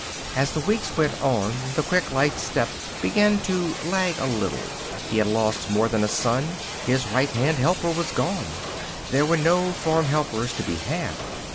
As the weeks went on, the quick, light step began to lag a little. He had lost more than a son; his right hand helper was gone. There were no farm helpers to be had.